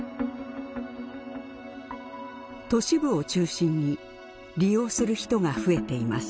都市部を中心に利用する人が増えています。